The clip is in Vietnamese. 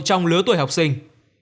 trong lứa tuổi học sinh